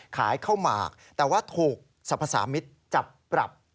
ขายข้าวหมากแต่ว่าถูกสรรพสามิตรจับปรับ